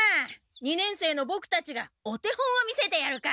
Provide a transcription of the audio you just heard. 二年生のボクたちがお手本を見せてやるか。